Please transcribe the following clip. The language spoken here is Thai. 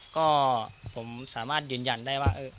ก็ผมสามารถยืนยันได้ว่า